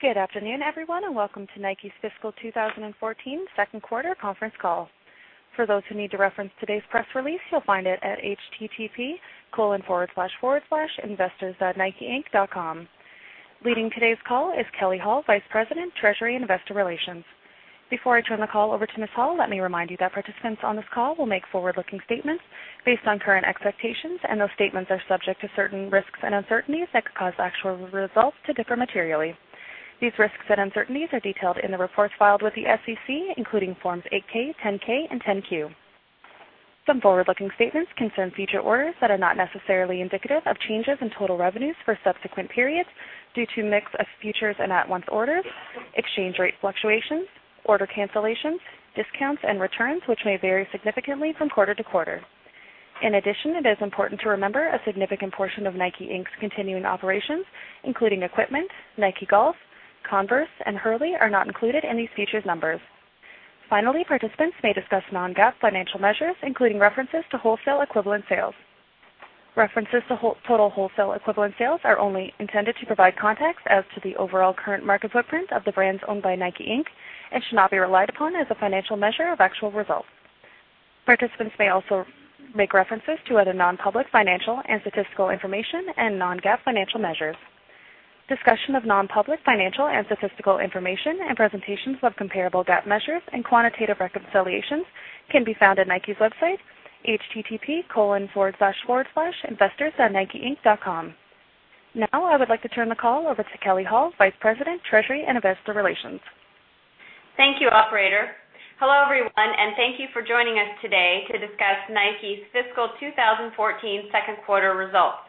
Good afternoon, everyone, welcome to Nike's fiscal 2014 second quarter conference call. For those who need to reference today's press release, you'll find it at http://investors.nikeinc.com. Leading today's call is Kelley Hall, Vice President, Treasury and Investor Relations. Before I turn the call over to Ms. Hall, let me remind you that participants on this call will make forward-looking statements based on current expectations, those statements are subject to certain risks and uncertainties that could cause actual results to differ materially. These risks and uncertainties are detailed in the reports filed with the SEC, including Forms 8-K, 10-K, and 10-Q. Some forward-looking statements concern future orders that are not necessarily indicative of changes in total revenues for subsequent periods due to mix of futures and at-once orders, exchange rate fluctuations, order cancellations, discounts, and returns, which may vary significantly from quarter to quarter. In addition, it is important to remember a significant portion of Nike, Inc.'s continuing operations, including equipment, Nike Golf, Converse, and Hurley, are not included in these futures numbers. Participants may discuss non-GAAP financial measures, including references to wholesale equivalent sales. References to total wholesale equivalent sales are only intended to provide context as to the overall current market footprint of the brands owned by Nike, Inc., should not be relied upon as a financial measure of actual results. Participants may also make references to other non-public financial and statistical information and non-GAAP financial measures. Discussion of non-public financial and statistical information and presentations of comparable GAAP measures and quantitative reconciliations can be found at Nike's website, http://investors.nikeinc.com. I would like to turn the call over to Kelley Hall, Vice President, Treasury and Investor Relations. Thank you, operator. Hello, everyone, thank you for joining us today to discuss Nike's fiscal 2014 second quarter results.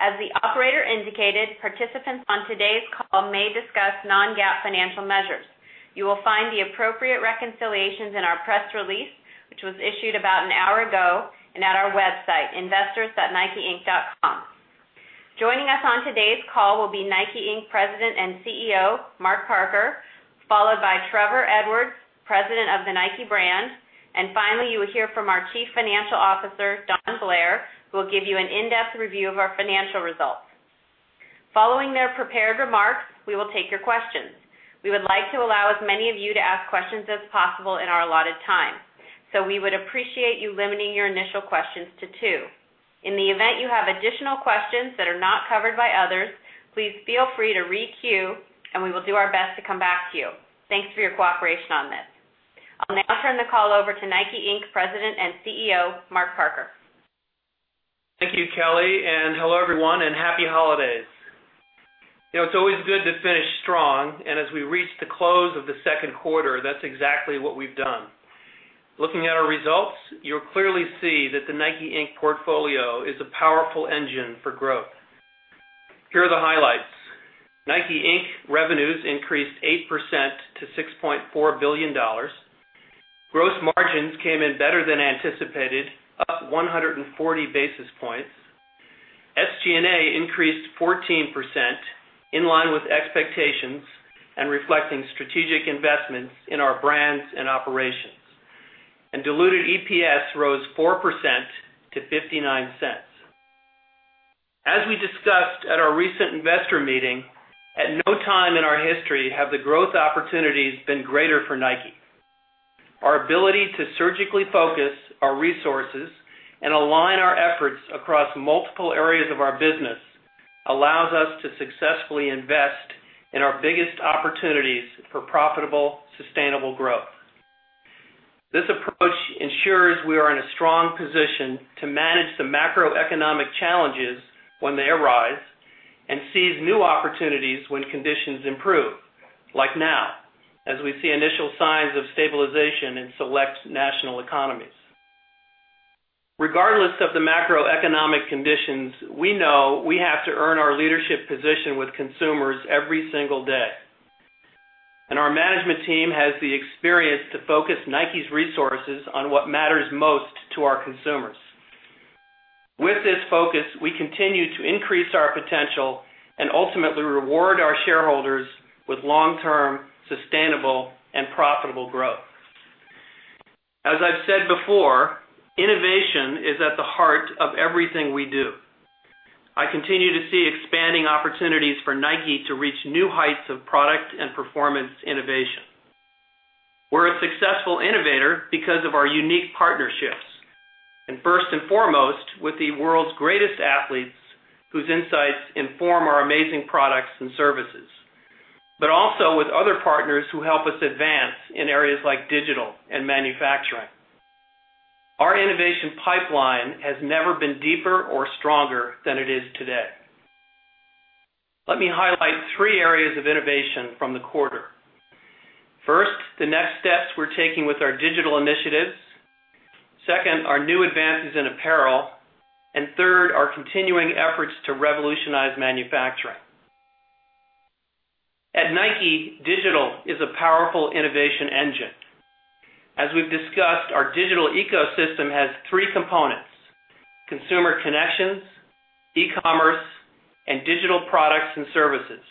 As the operator indicated, participants on today's call may discuss non-GAAP financial measures. You will find the appropriate reconciliations in our press release, which was issued about an hour ago, and at our website, investors.nikeinc.com. Joining us on today's call will be Nike, Inc., President and CEO, Mark Parker, followed by Trevor Edwards, President of the Nike brand, finally, you will hear from our Chief Financial Officer, Don Blair, who will give you an in-depth review of our financial results. Following their prepared remarks, we will take your questions. We would like to allow as many of you to ask questions as possible in our allotted time, we would appreciate you limiting your initial questions to two. In the event you have additional questions that are not covered by others, please feel free to re-queue, we will do our best to come back to you. Thanks for your cooperation on this. I'll turn the call over to Nike, Inc., President and CEO, Mark Parker. Thank you, Kelley, and hello, everyone, and happy holidays. It's always good to finish strong, and as we reach the close of the second quarter, that's exactly what we've done. Looking at our results, you'll clearly see that the Nike, Inc., portfolio is a powerful engine for growth. Here are the highlights. Nike, Inc., revenues increased 8% to $6.4 billion. Gross margins came in better than anticipated, up 140 basis points. SG&A increased 14%, in line with expectations and reflecting strategic investments in our brands and operations. Diluted EPS rose 4% to $0.59. As we discussed at our recent investor meeting, at no time in our history have the growth opportunities been greater for Nike. Our ability to surgically focus our resources and align our efforts across multiple areas of our business allows us to successfully invest in our biggest opportunities for profitable, sustainable growth. This approach ensures we are in a strong position to manage the macroeconomic challenges when they arise and seize new opportunities when conditions improve, like now, as we see initial signs of stabilization in select national economies. Regardless of the macroeconomic conditions, we know we have to earn our leadership position with consumers every single day. Our management team has the experience to focus Nike's resources on what matters most to our consumers. With this focus, we continue to increase our potential and ultimately reward our shareholders with long-term, sustainable, and profitable growth. As I've said before, innovation is at the heart of everything we do. I continue to see expanding opportunities for Nike to reach new heights of product and performance innovation. We're a successful innovator because of our unique partnerships, and first and foremost, with the world's greatest athletes, whose insights inform our amazing products and services. Also with other partners who help us advance in areas like digital and manufacturing. Our innovation pipeline has never been deeper or stronger than it is today. Let me highlight three areas of innovation from the quarter. First, the next steps we're taking with our digital initiatives. Second, our new advances in apparel. Third, our continuing efforts to revolutionize manufacturing. At Nike, digital is a powerful innovation engine. As we've discussed, our digital ecosystem has three components: consumer connections, e-commerce, and digital products and services.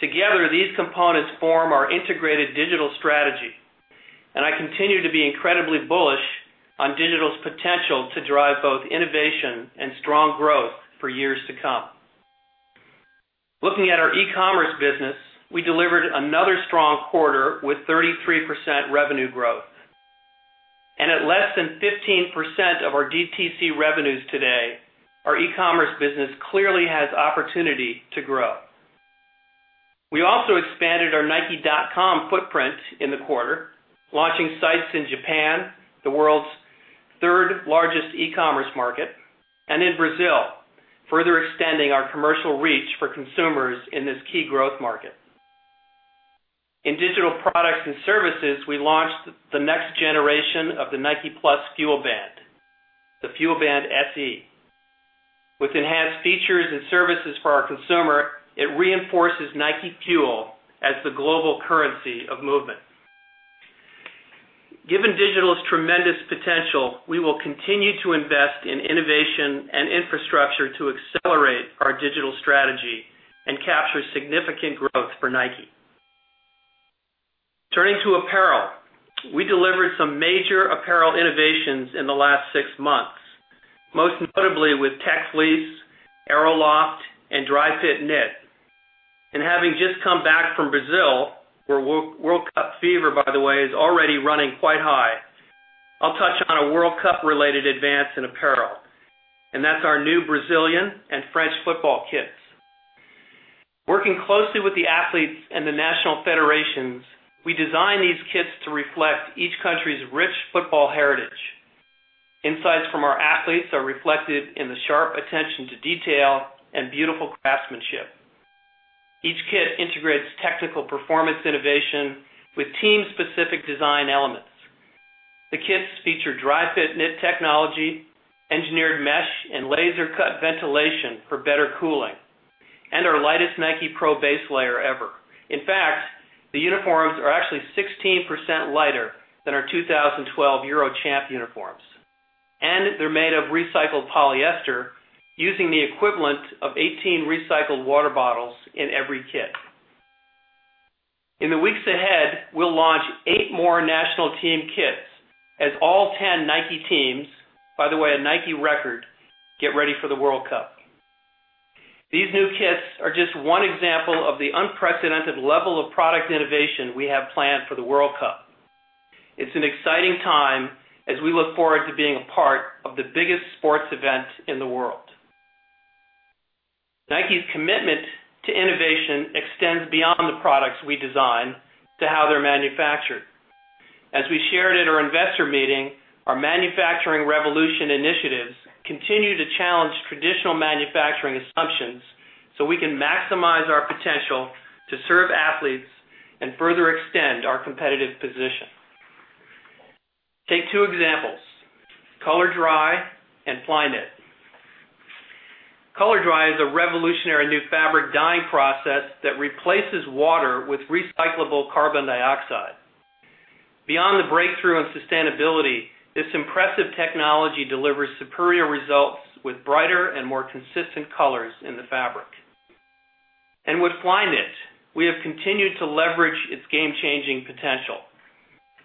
Together, these components form our integrated digital strategy, and I continue to be incredibly bullish on digital's potential to drive both innovation and strong growth for years to come. Looking at our e-commerce business, we delivered another strong quarter with 33% revenue growth. At less than 15% of our DTC revenues today, our e-commerce business clearly has opportunity to grow. We also expanded our nike.com footprint in the quarter, launching sites in Japan, the world's third-largest e-commerce market, and in Brazil, further extending our commercial reach for consumers in this key growth market. In digital products and services, we launched the next generation of the Nike+ FuelBand, the FuelBand SE. With enhanced features and services for our consumer, it reinforces NikeFuel as the global currency of movement. Given digital's tremendous potential, we will continue to invest in innovation and infrastructure to accelerate our digital strategy and capture significant growth for Nike. Turning to apparel. We delivered some major apparel innovations in the last six months, most notably with Tech Fleece, AeroLoft, and Dri-FIT Knit. Having just come back from Brazil, where World Cup fever, by the way, is already running quite high, I'll touch on a World Cup related advance in apparel, and that's our new Brazilian and French football kits. Working closely with the athletes and the national federations, we designed these kits to reflect each country's rich football heritage. Insights from our athletes are reflected in the sharp attention to detail and beautiful craftsmanship. Each kit integrates technical performance innovation with team-specific design elements. The kits feature Dri-FIT Knit technology, engineered mesh, and laser-cut ventilation for better cooling. Our lightest Nike Pro base layer ever. In fact, the uniforms are actually 16% lighter than our 2012 Euro champ uniforms. They're made of recycled polyester using the equivalent of 18 recycled water bottles in every kit. In the weeks ahead, we'll launch 8 more national team kits as all 10 Nike teams, by the way, a Nike record, get ready for the World Cup. These new kits are just one example of the unprecedented level of product innovation we have planned for the World Cup. It's an exciting time as we look forward to being a part of the biggest sports event in the world. Nike's commitment to innovation extends beyond the products we design to how they're manufactured. As we shared at our investor meeting, our manufacturing revolution initiatives continue to challenge traditional manufacturing assumptions so we can maximize our potential to serve athletes and further extend our competitive position. Take two examples, ColorDry and Flyknit. ColorDry is a revolutionary new fabric dyeing process that replaces water with recyclable carbon dioxide. Beyond the breakthrough in sustainability, this impressive technology delivers superior results with brighter and more consistent colors in the fabric. With Flyknit, we have continued to leverage its game-changing potential.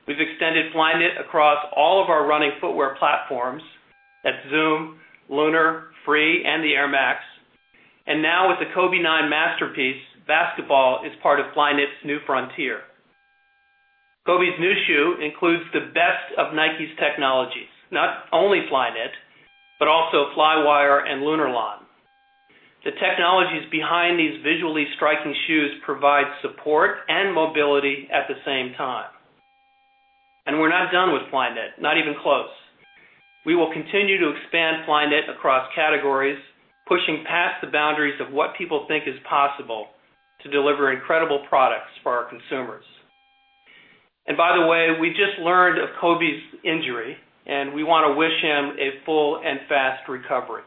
We've extended Flyknit across all of our running footwear platforms at Zoom, Lunar, Free, and the Air Max. Now with the Kobe 9 Masterpiece, basketball is part of Flyknit's new frontier. Kobe's new shoe includes the best of Nike's technologies. Not only Flyknit, but also Flywire and Lunarlon. The technologies behind these visually striking shoes provide support and mobility at the same time. We're not done with Flyknit, not even close. We will continue to expand Flyknit across categories, pushing past the boundaries of what people think is possible to deliver incredible products for our consumers. By the way, we just learned of Kobe's injury, and we want to wish him a full and fast recovery.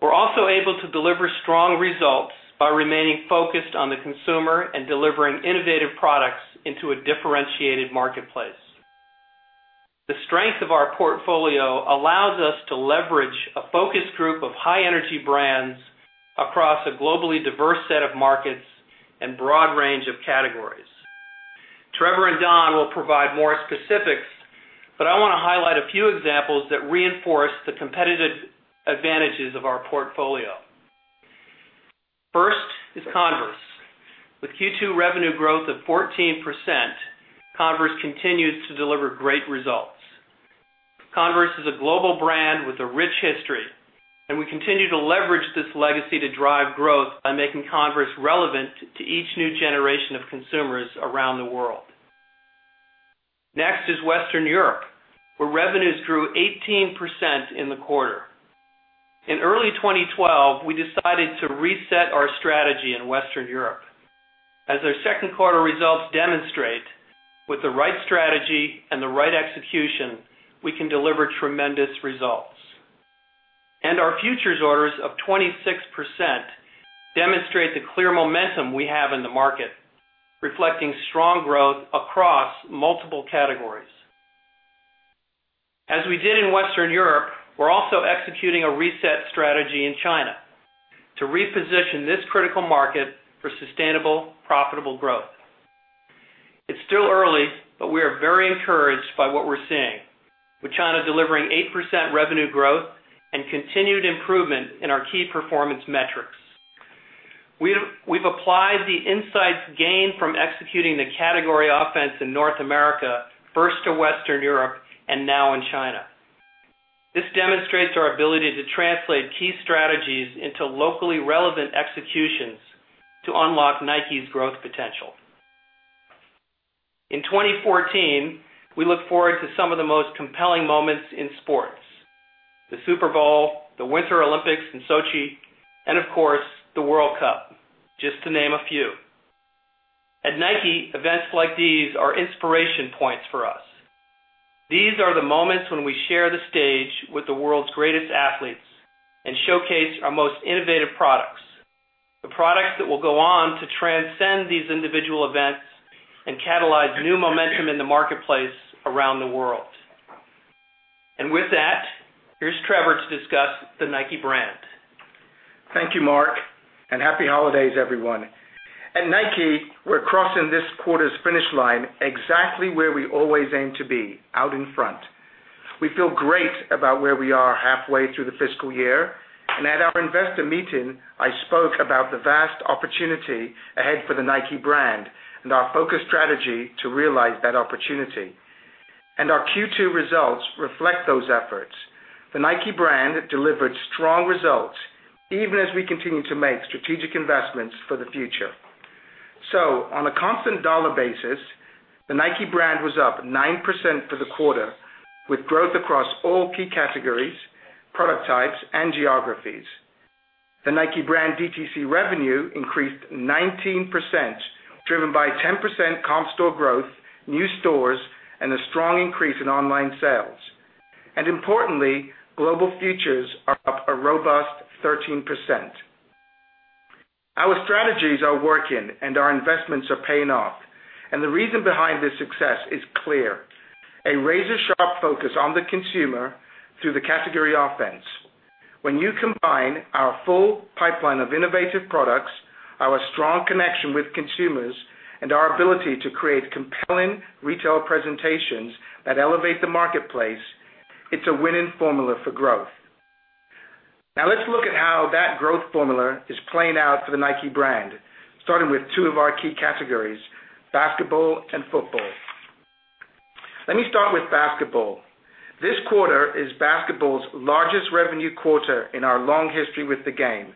We're also able to deliver strong results by remaining focused on the consumer and delivering innovative products into a differentiated marketplace. The strength of our portfolio allows us to leverage a focus group of high-energy brands across a globally diverse set of markets and broad range of categories. Trevor and Don will provide more specifics, but I want to highlight a few examples that reinforce the competitive advantages of our portfolio. First is Converse. With Q2 revenue growth of 14%, Converse continues to deliver great results. Converse is a global brand with a rich history, and we continue to leverage this legacy to drive growth by making Converse relevant to each new generation of consumers around the world. Next is Western Europe, where revenues grew 18% in the quarter. In early 2012, we decided to reset our strategy in Western Europe. As our second quarter results demonstrate, with the right strategy and the right execution, we can deliver tremendous results. Our futures orders of 26% demonstrate the clear momentum we have in the market, reflecting strong growth across multiple categories. As we did in Western Europe, we're also executing a reset strategy in China to reposition this critical market for sustainable, profitable growth. It's still early, but we are very encouraged by what we're seeing, with China delivering 8% revenue growth and continued improvement in our key performance metrics. We've applied the insights gained from executing the category offense in North America, first to Western Europe, and now in China. This demonstrates our ability to translate key strategies into locally relevant executions to unlock Nike's growth potential. In 2014, we look forward to some of the most compelling moments in sports. The Super Bowl, the Winter Olympics in Sochi, and of course, the World Cup, just to name a few. At Nike, events like these are inspiration points for us. These are the moments when we share the stage with the world's greatest athletes and showcase our most innovative products. The products that will go on to transcend these individual events and catalyze new momentum in the marketplace around the world. With that, here's Trevor to discuss the Nike brand. Thank you, Mark, and happy holidays, everyone. At Nike, we're crossing this quarter's finish line exactly where we always aim to be, out in front. We feel great about where we are halfway through the fiscal year. At our investor meeting, I spoke about the vast opportunity ahead for the Nike brand and our focus strategy to realize that opportunity. Our Q2 results reflect those efforts. The Nike brand delivered strong results, even as we continue to make strategic investments for the future. On a constant dollar basis, the Nike brand was up 9% for the quarter, with growth across all key categories, product types, and geographies. The Nike brand DTC revenue increased 19%, driven by 10% comp store growth, new stores, and a strong increase in online sales. Importantly, global futures are up a robust 13%. Our strategies are working, our investments are paying off. The reason behind this success is clear. A razor-sharp focus on the consumer through the category offense. When you combine our full pipeline of innovative products, our strong connection with consumers, and our ability to create compelling retail presentations that elevate the marketplace, it's a winning formula for growth. Now let's look at how that growth formula is playing out for the Nike brand, starting with two of our key categories, basketball and football. Let me start with basketball. This quarter is basketball's largest revenue quarter in our long history with the game.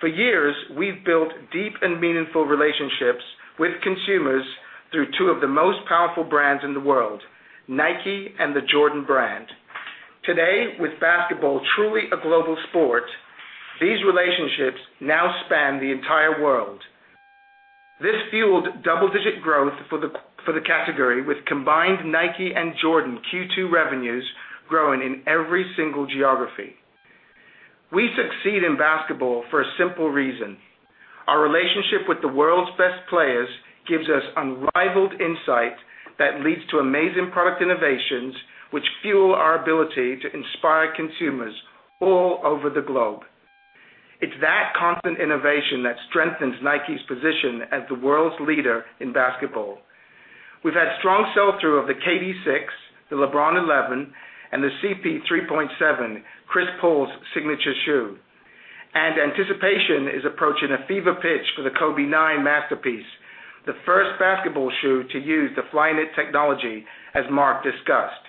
For years, we've built deep and meaningful relationships with consumers through two of the most powerful brands in the world, Nike and the Jordan Brand. Today, with basketball truly a global sport, these relationships now span the entire world. This fueled double-digit growth for the category, with combined Nike and Jordan Q2 revenues growing in every single geography. We succeed in basketball for a simple reason. Our relationship with the world's best players gives us unrivaled insight that leads to amazing product innovations, which fuel our ability to inspire consumers all over the globe. It's that constant innovation that strengthens Nike's position as the world's leader in basketball. We've had strong sell-through of the KD 6, the LeBron 11, and the CP3.VII, Chris Paul's signature shoe. Anticipation is approaching a fever pitch for the Kobe 9 Elite Masterpiece, the first basketball shoe to use the Flyknit technology, as Mark discussed.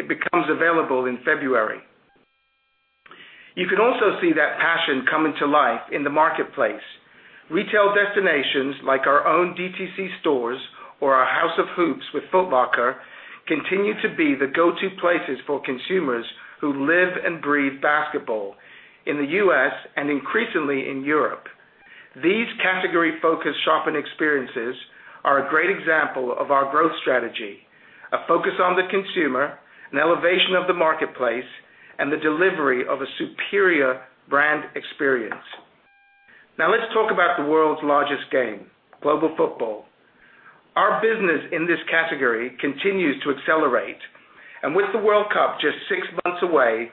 It becomes available in February. You can also see that passion coming to life in the marketplace. Retail destinations like our own DTC stores or our House of Hoops with Foot Locker continue to be the go-to places for consumers who live and breathe basketball in the U.S. and increasingly in Europe. These category-focused shopping experiences are a great example of our growth strategy, a focus on the consumer, an elevation of the marketplace, and the delivery of a superior brand experience. Now let's talk about the world's largest game, global football. Our business in this category continues to accelerate. With the World Cup just six months away,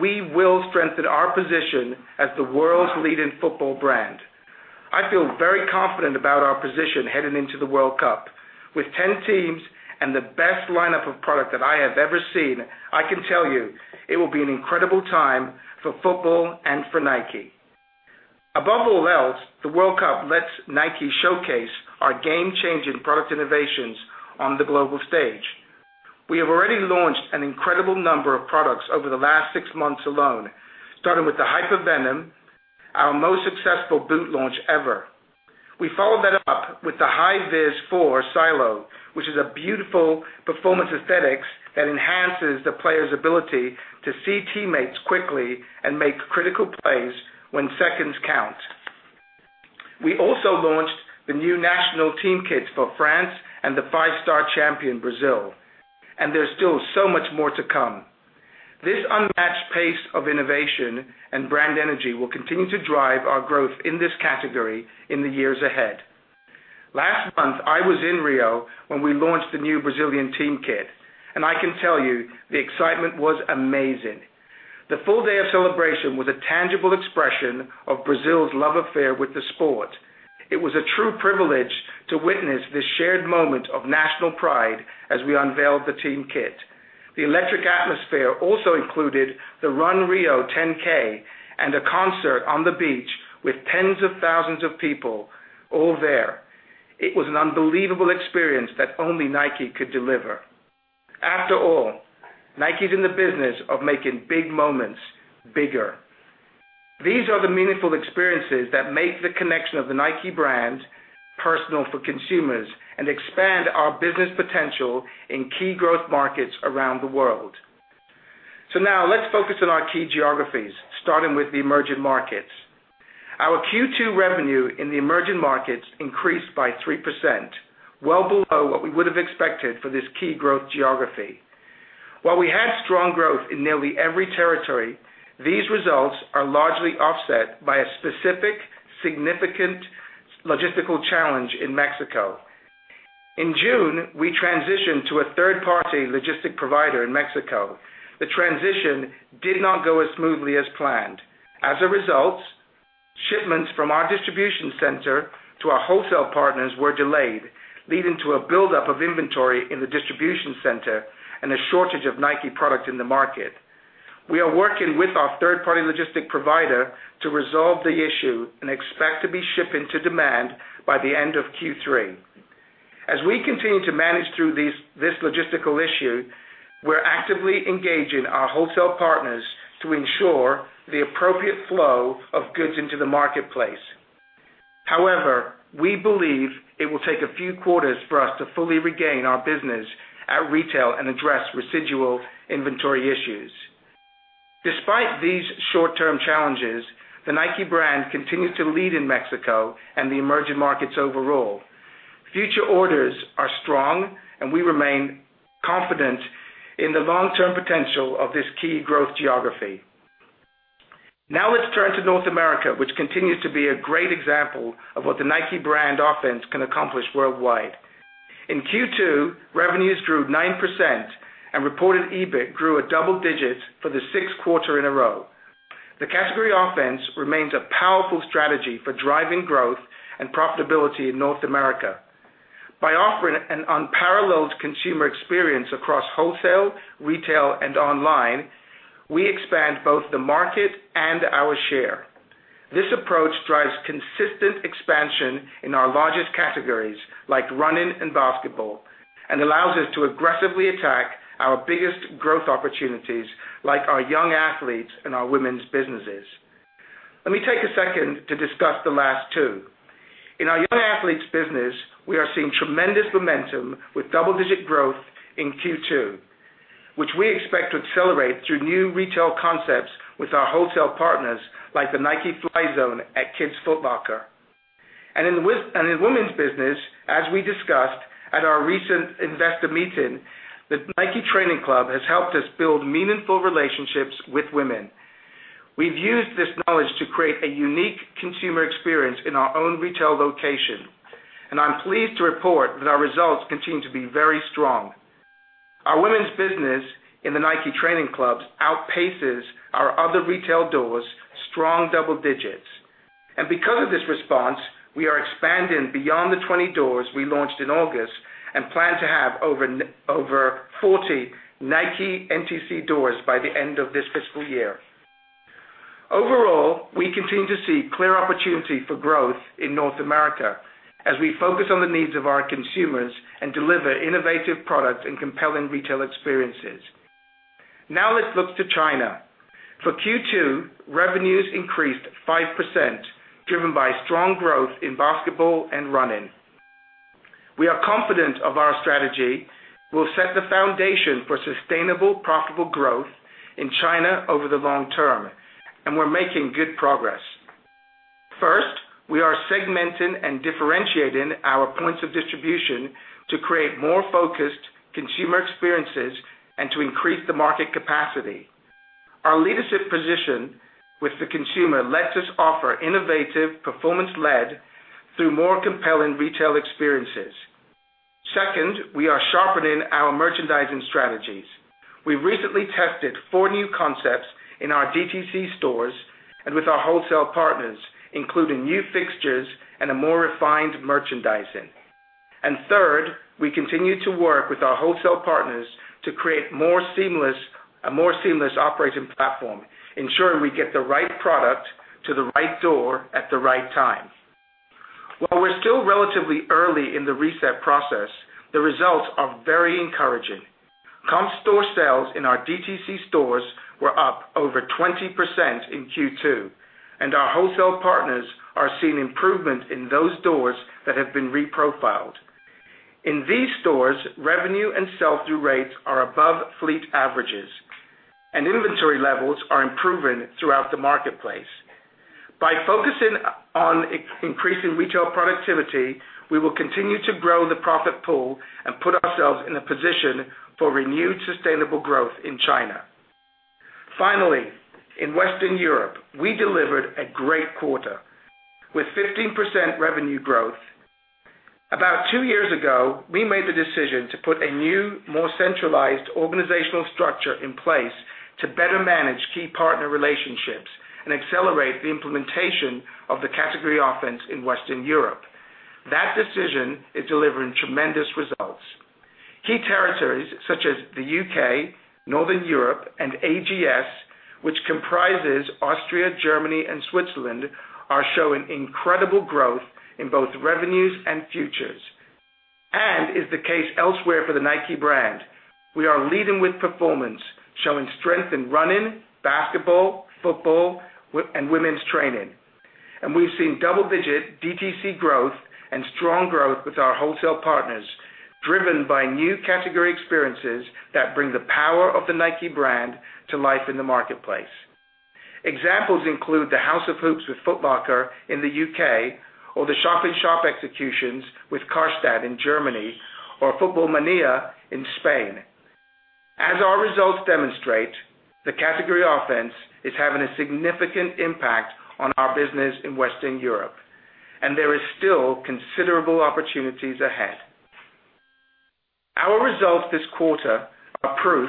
we will strengthen our position as the world's leading football brand. I feel very confident about our position heading into the World Cup. With 10 teams and the best lineup of product that I have ever seen, I can tell you it will be an incredible time for football and for Nike. Above all else, the World Cup lets Nike showcase our game-changing product innovations on the global stage. We have already launched an incredible number of products over the last six months alone, starting with the Hypervenom, our most successful boot launch ever. We followed that up with the Hi-Vis 4 Silo, which is a beautiful performance aesthetics that enhances the player's ability to see teammates quickly and make critical plays when seconds count. We also launched the new national team kits for France and the five-star champion, Brazil. There's still so much more to come. This unmatched pace of innovation and brand energy will continue to drive our growth in this category in the years ahead. Last month, I was in Rio when we launched the new Brazilian team kit, and I can tell you the excitement was amazing. The full day of celebration was a tangible expression of Brazil's love affair with the sport. It was a true privilege to witness this shared moment of national pride as we unveiled the team kit. The electric atmosphere also included the Run Rio 10K and a concert on the beach with tens of thousands of people all there. It was an unbelievable experience that only Nike could deliver. After all, Nike's in the business of making big moments bigger. These are the meaningful experiences that make the connection of the Nike brand personal for consumers and expand our business potential in key growth markets around the world. Now let's focus on our key geographies, starting with the emerging markets. Our Q2 revenue in the emerging markets increased by 3%, well below what we would have expected for this key growth geography. While we had strong growth in nearly every territory, these results are largely offset by a specific, significant logistical challenge in Mexico. In June, we transitioned to a third-party logistics provider in Mexico. The transition did not go as smoothly as planned. As a result, shipments from our distribution center to our wholesale partners were delayed, leading to a buildup of inventory in the distribution center and a shortage of Nike product in the market. We are working with our third-party logistics provider to resolve the issue and expect to be shipping to demand by the end of Q3. As we continue to manage through this logistical issue, we're actively engaging our wholesale partners to ensure the appropriate flow of goods into the marketplace. However, we believe it will take a few quarters for us to fully regain our business at retail and address residual inventory issues. Despite these short-term challenges, the Nike brand continues to lead in Mexico and the emerging markets overall. Future orders are strong, and we remain confident in the long-term potential of this key growth geography. Now let's turn to North America, which continues to be a great example of what the Nike brand offense can accomplish worldwide. In Q2, revenues grew 9% and reported EBIT grew a double-digit for the sixth quarter in a row. The category offense remains a powerful strategy for driving growth and profitability in North America. By offering an unparalleled consumer experience across wholesale, retail, and online, we expand both the market and our share. This approach drives consistent expansion in our largest categories, like running and basketball, and allows us to aggressively attack our biggest growth opportunities, like our young athletes and our women's businesses. Let me take a second to discuss the last two. In our young athletes business, we are seeing tremendous momentum with double-digit growth in Q2, which we expect to accelerate through new retail concepts with our wholesale partners, like the Nike Fly Zone at Kids Foot Locker. In women's business, as we discussed at our recent investor meeting, the Nike Training Club has helped us build meaningful relationships with women. We've used this knowledge to create a unique consumer experience in our own retail location, and I'm pleased to report that our results continue to be very strong. Our women's business in the Nike Training Club outpaces our other retail doors strong double-digits. Because of this response, we are expanding beyond the 20 doors we launched in August and plan to have over 40 Nike NTC doors by the end of this fiscal year. Overall, we continue to see clear opportunity for growth in North America as we focus on the needs of our consumers and deliver innovative products and compelling retail experiences. Now let's look to China. For Q2, revenues increased 5%, driven by strong growth in basketball and running. We are confident of our strategy will set the foundation for sustainable, profitable growth in China over the long term, and we're making good progress. First, we are segmenting and differentiating our points of distribution to create more focused consumer experiences and to increase the market capacity. Our leadership position with the consumer lets us offer innovative performance-led through more compelling retail experiences. Second, we are sharpening our merchandising strategies. We recently tested four new concepts in our DTC stores and with our wholesale partners, including new fixtures and a more refined merchandising. Third, we continue to work with our wholesale partners to create a more seamless operating platform, ensuring we get the right product to the right door at the right time. While we're still relatively early in the reset process, the results are very encouraging. Comp store sales in our DTC stores were up over 20% in Q2, and our wholesale partners are seeing improvement in those doors that have been reprofiled. In these stores, revenue and sell-through rates are above fleet averages, and inventory levels are improving throughout the marketplace. By focusing on increasing retail productivity, we will continue to grow the profit pool and put ourselves in a position for renewed, sustainable growth in China. Finally, in Western Europe, we delivered a great quarter with 15% revenue growth. About two years ago, we made the decision to put a new, more centralized organizational structure in place to better manage key partner relationships and accelerate the implementation of the category offense in Western Europe. That decision is delivering tremendous results. Key territories such as the U.K., Northern Europe, and AGS, which comprises Austria, Germany, and Switzerland, are showing incredible growth in both revenues and futures. Is the case elsewhere for the Nike brand, we are leading with performance, showing strength in running, basketball, football, and women's training. We've seen double-digit DTC growth and strong growth with our wholesale partners, driven by new category experiences that bring the power of the Nike brand to life in the marketplace. Examples include the House of Hoops with Foot Locker in the U.K. or the shop execution with Karstadt in Germany or Futbolmania in Spain. As our results demonstrate, the category offense is having a significant impact on our business in Western Europe. There is still considerable opportunities ahead. Our results this quarter are proof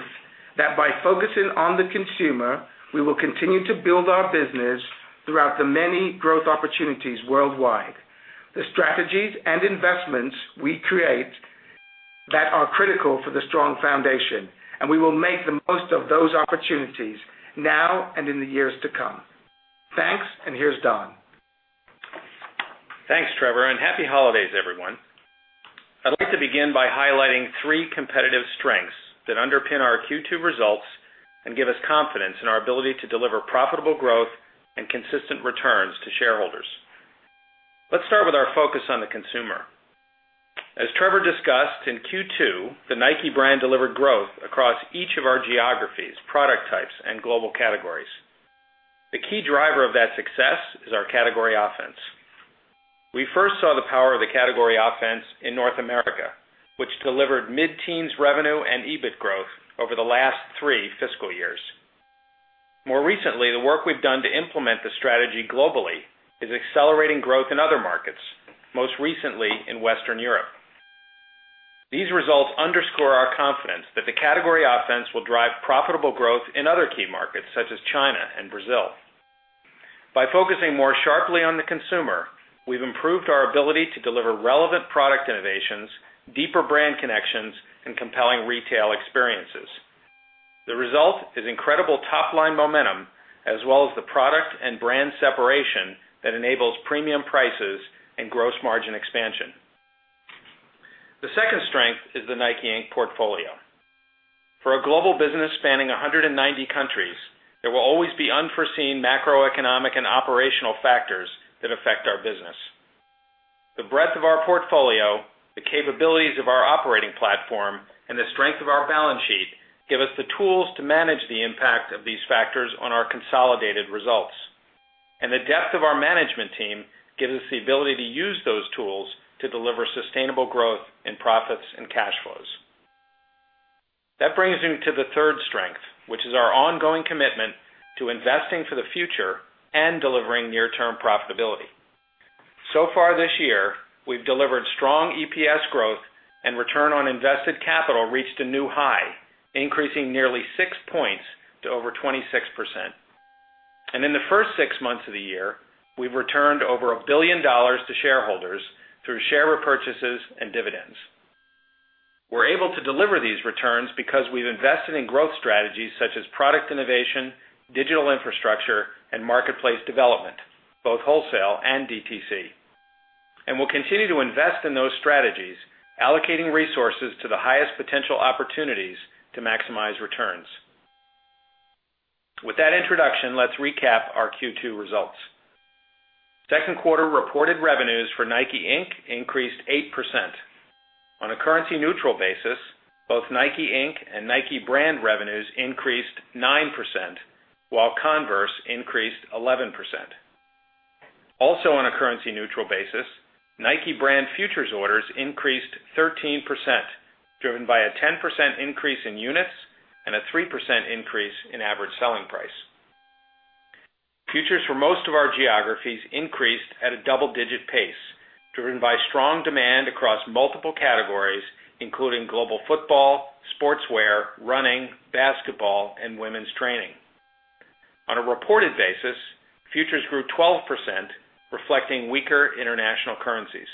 that by focusing on the consumer, we will continue to build our business throughout the many growth opportunities worldwide. The strategies and investments we create that are critical for the strong foundation, and we will make the most of those opportunities now and in the years to come. Thanks, and here's Don. Thanks, Trevor, and happy holidays, everyone. I'd like to begin by highlighting three competitive strengths that underpin our Q2 results and give us confidence in our ability to deliver profitable growth and consistent returns to shareholders. Let's start with our focus on the consumer. As Trevor discussed, in Q2, the Nike brand delivered growth across each of our geographies, product types, and global categories. The key driver of that success is our category offense. We first saw the power of the category offense in North America, which delivered mid-teens revenue and EBIT growth over the last three fiscal years. More recently, the work we've done to implement the strategy globally is accelerating growth in other markets, most recently in Western Europe. These results underscore our confidence that the category offense will drive profitable growth in other key markets such as China and Brazil. By focusing more sharply on the consumer, we've improved our ability to deliver relevant product innovations, deeper brand connections, and compelling retail experiences. The result is incredible top-line momentum, as well as the product and brand separation that enables premium prices and gross margin expansion. The second strength is the Nike, Inc. portfolio. For a global business spanning 190 countries, there will always be unforeseen macroeconomic and operational factors that affect our business. The breadth of our portfolio, the capabilities of our operating platform, and the strength of our balance sheet give us the tools to manage the impact of these factors on our consolidated results. The depth of our management team gives us the ability to use those tools to deliver sustainable growth in profits and cash flows. That brings me to the third strength, which is our ongoing commitment to investing for the future and delivering near-term profitability. So far this year, we've delivered strong EPS growth and return on invested capital reached a new high, increasing nearly six points to over 26%. In the first six months of the year, we've returned over $1 billion to shareholders through share repurchases and dividends. We're able to deliver these returns because we've invested in growth strategies such as product innovation, digital infrastructure, and marketplace development, both wholesale and DTC. We'll continue to invest in those strategies, allocating resources to the highest potential opportunities to maximize returns. With that introduction, let's recap our Q2 results. Second quarter reported revenues for Nike, Inc. increased 8%. On a currency-neutral basis, both Nike, Inc. and Nike brand revenues increased 9%, while Converse increased 11%. On a currency-neutral basis, Nike brand futures orders increased 13%, driven by a 10% increase in units and a 3% increase in average selling price. Futures for most of our geographies increased at a double-digit pace, driven by strong demand across multiple categories, including global football, sportswear, running, basketball, and women's training. On a reported basis, futures grew 12%, reflecting weaker international currencies.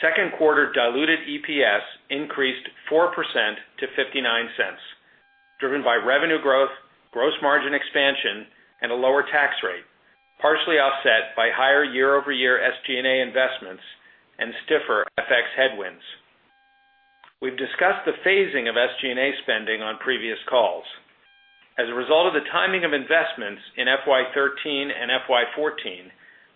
Second quarter diluted EPS increased 4% to $0.59, driven by revenue growth, gross margin expansion, and a lower tax rate, partially offset by higher year-over-year SG&A investments and stiffer FX headwinds. We've discussed the phasing of SG&A spending on previous calls. As a result of the timing of investments in FY 2013 and FY 2014,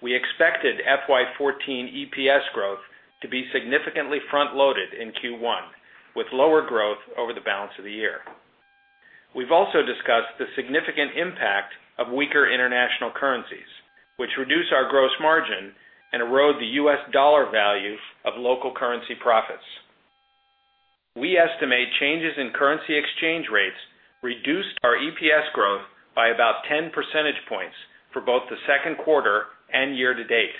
we expected FY 2014 EPS growth to be significantly front-loaded in Q1, with lower growth over the balance of the year. We've also discussed the significant impact of weaker international currencies. Which reduce our gross margin and erode the U.S. dollar value of local currency profits. We estimate changes in currency exchange rates reduced our EPS growth by about 10 percentage points for both the second quarter and year to date.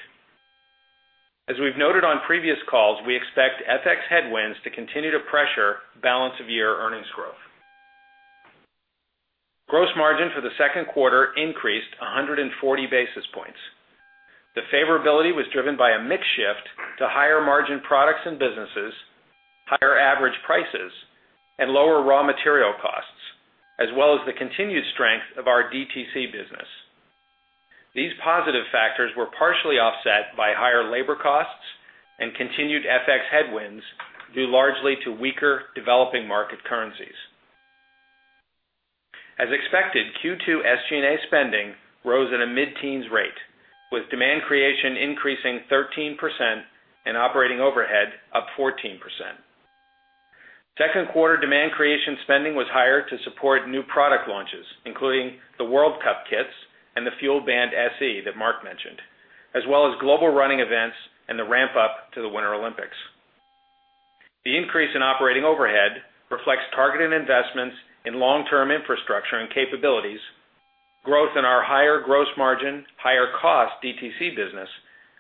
As we've noted on previous calls, we expect FX headwinds to continue to pressure balance of year earnings growth. Gross margin for the second quarter increased 140 basis points. The favorability was driven by a mix shift to higher margin products and businesses, higher average prices, and lower raw material costs, as well as the continued strength of our DTC business. These positive factors were partially offset by higher labor costs and continued FX headwinds, due largely to weaker developing market currencies. As expected, Q2 SG&A spending rose at a mid-teens rate, with demand creation increasing 13% and operating overhead up 14%. Second quarter demand creation spending was higher to support new product launches, including the World Cup kits and the FuelBand SE that Mark mentioned, as well as global running events and the ramp-up to the Winter Olympics. The increase in operating overhead reflects targeted investments in long-term infrastructure and capabilities, growth in our higher gross margin, higher cost DTC business,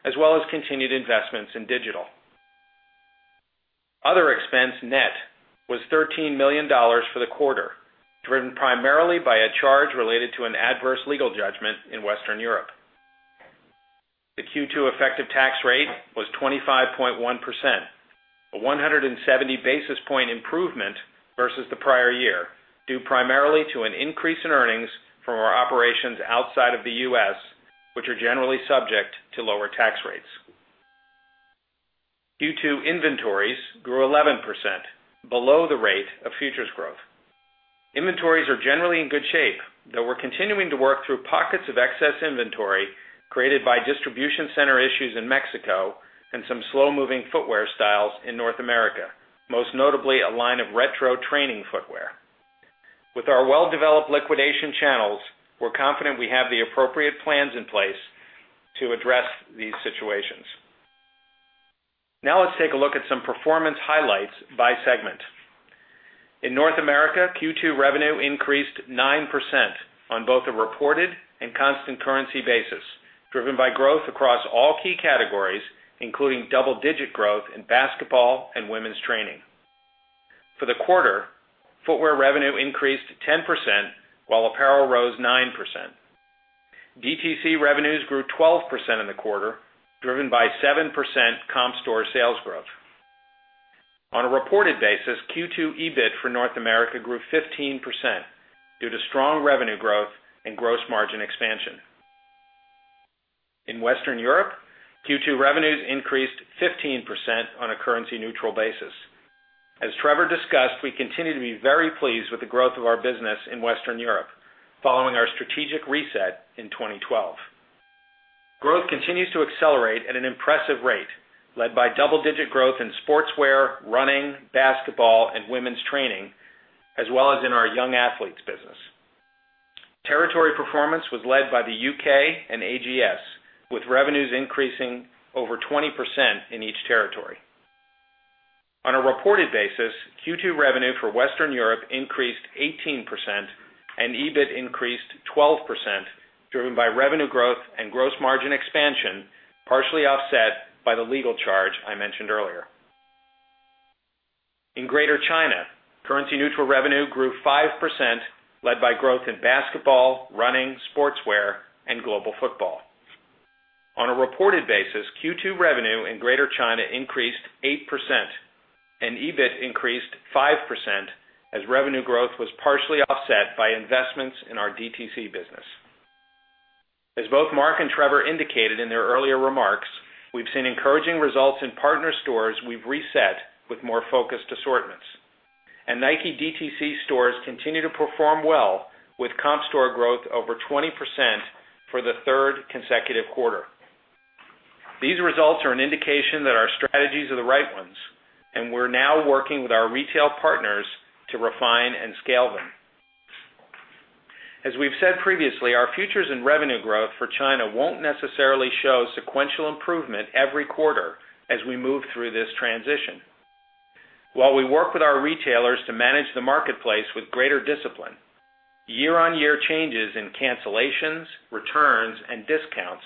as well as continued investments in digital. Other expense net was $13 million for the quarter, driven primarily by a charge related to an adverse legal judgment in Western Europe. The Q2 effective tax rate was 25.1%, a 170 basis point improvement versus the prior year, due primarily to an increase in earnings from our operations outside of the U.S., which are generally subject to lower tax rates. Q2 inventories grew 11%, below the rate of futures growth. Inventories are generally in good shape, though we're continuing to work through pockets of excess inventory created by distribution center issues in Mexico and some slow-moving footwear styles in North America, most notably a line of retro training footwear. With our well-developed liquidation channels, we're confident we have the appropriate plans in place to address these situations. Let's take a look at some performance highlights by segment. In North America, Q2 revenue increased 9% on both a reported and constant currency basis, driven by growth across all key categories, including double-digit growth in basketball and women's training. For the quarter, footwear revenue increased 10%, while apparel rose 9%. DTC revenues grew 12% in the quarter, driven by 7% comp store sales growth. On a reported basis, Q2 EBIT for North America grew 15% due to strong revenue growth and gross margin expansion. In Western Europe, Q2 revenues increased 15% on a currency-neutral basis. As Trevor discussed, we continue to be very pleased with the growth of our business in Western Europe following our strategic reset in 2012. Growth continues to accelerate at an impressive rate, led by double-digit growth in sportswear, running, basketball and women's training, as well as in our Young Athletes business. Territory performance was led by the U.K. and AGS, with revenues increasing over 20% in each territory. On a reported basis, Q2 revenue for Western Europe increased 18% and EBIT increased 12%, driven by revenue growth and gross margin expansion, partially offset by the legal charge I mentioned earlier. In Greater China, currency neutral revenue grew 5%, led by growth in basketball, running, sportswear, and global football. On a reported basis, Q2 revenue in Greater China increased 8% and EBIT increased 5% as revenue growth was partially offset by investments in our DTC business. As both Mark and Trevor indicated in their earlier remarks, we've seen encouraging results in partner stores we've reset with more focused assortments. Nike DTC stores continue to perform well with comp store growth over 20% for the third consecutive quarter. These results are an indication that our strategies are the right ones, and we're now working with our retail partners to refine and scale them. As we've said previously, our futures in revenue growth for China won't necessarily show sequential improvement every quarter as we move through this transition. While we work with our retailers to manage the marketplace with greater discipline, year-on-year changes in cancellations, returns, and discounts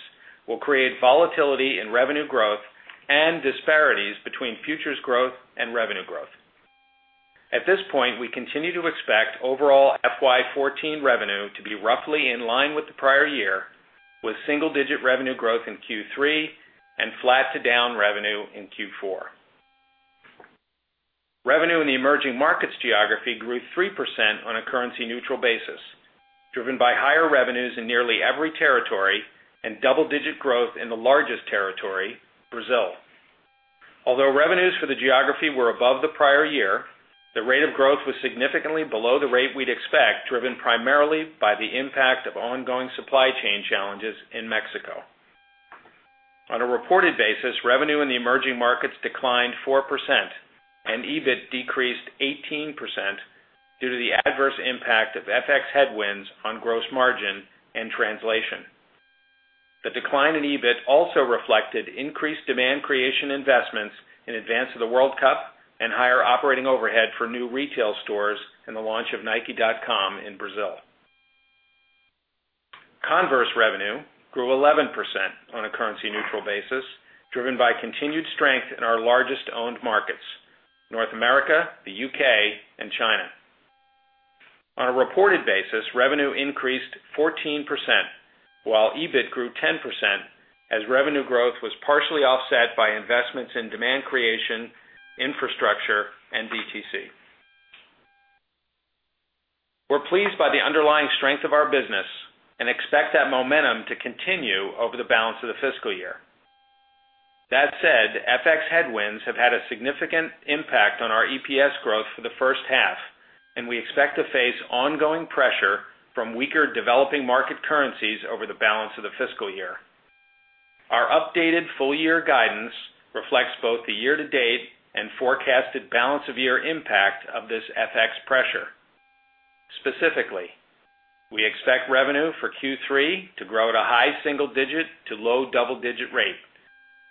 will create volatility in revenue growth and disparities between futures growth and revenue growth. At this point, we continue to expect overall FY14 revenue to be roughly in line with the prior year, with single-digit revenue growth in Q3 and flat to down revenue in Q4. Revenue in the emerging markets geography grew 3% on a currency neutral basis, driven by higher revenues in nearly every territory and double-digit growth in the largest territory, Brazil. Although revenues for the geography were above the prior year, the rate of growth was significantly below the rate we'd expect, driven primarily by the impact of ongoing supply chain challenges in Mexico. On a reported basis, revenue in the emerging markets declined 4%, and EBIT decreased 18% due to the adverse impact of FX headwinds on gross margin and translation. The decline in EBIT also reflected increased demand creation investments in advance of the World Cup and higher operating overhead for new retail stores and the launch of nike.com in Brazil. Converse revenue grew 11% on a currency-neutral basis, driven by continued strength in our largest owned markets, North America, the U.K., and China. On a reported basis, revenue increased 14%, while EBIT grew 10% as revenue growth was partially offset by investments in demand creation, infrastructure, and DTC. We're pleased by the underlying strength of our business and expect that momentum to continue over the balance of the fiscal year. That said, FX headwinds have had a significant impact on our EPS growth for the first half, and we expect to face ongoing pressure from weaker developing market currencies over the balance of the fiscal year. Our updated full-year guidance reflects both the year-to-date and forecasted balance of year impact of this FX pressure. Specifically, we expect revenue for Q3 to grow at a high single-digit to low double-digit rate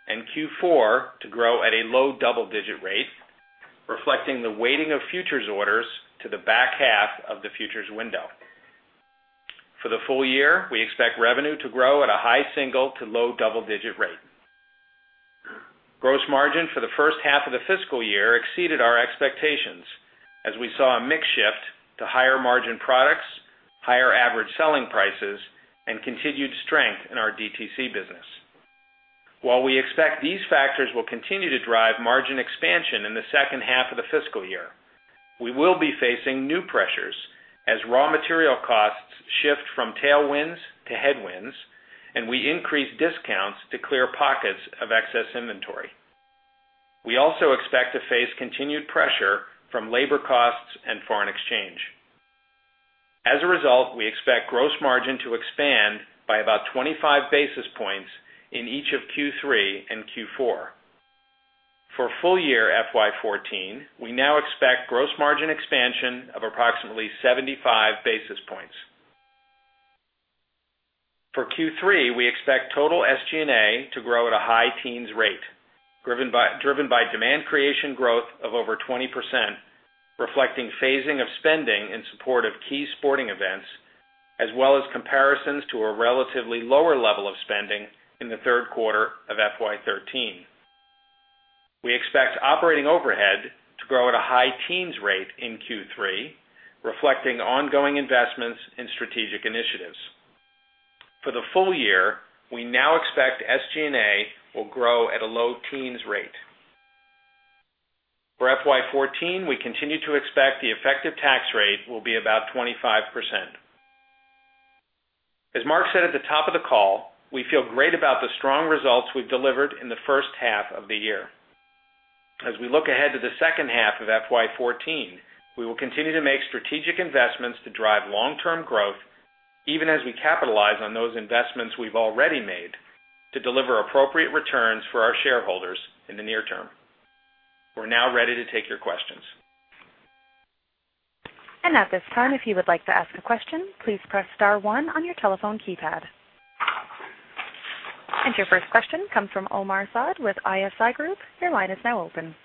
and Q4 to grow at a low double-digit rate, reflecting the weighting of futures orders to the back half of the futures window. For the full year, we expect revenue to grow at a high single to low double-digit rate. Gross margin for the first half of the fiscal year exceeded our expectations as we saw a mix shift to higher margin products, higher average selling prices, and continued strength in our DTC business. While we expect these factors will continue to drive margin expansion in the second half of the fiscal year, we will be facing new pressures as raw material costs shift from tailwinds to headwinds, and we increase discounts to clear pockets of excess inventory. We also expect to face continued pressure from labor costs and foreign exchange. As a result, we expect gross margin to expand by about 25 basis points in each of Q3 and Q4. For full year FY14, we now expect gross margin expansion of approximately 75 basis points. For Q3, we expect total SG&A to grow at a high teens rate, driven by demand creation growth of over 20%, reflecting phasing of spending in support of key sporting events, as well as comparisons to a relatively lower level of spending in the third quarter of FY13. We expect operating overhead to grow at a high teens rate in Q3, reflecting ongoing investments in strategic initiatives. For the full year, we now expect SG&A will grow at a low teens rate. For FY 2014, we continue to expect the effective tax rate will be about 25%. As Mark said at the top of the call, we feel great about the strong results we've delivered in the first half of the year. As we look ahead to the second half of FY 2014, we will continue to make strategic investments to drive long-term growth, even as we capitalize on those investments we've already made to deliver appropriate returns for our shareholders in the near term. We're now ready to take your questions. At this time, if you would like to ask a question, please press star one on your telephone keypad. Your first question comes from Omar Saad with ISI Group. Your line is now open.